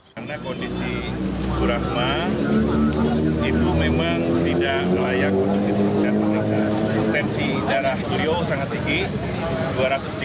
karena kondisi burakma itu memang tidak layak untuk diperiksa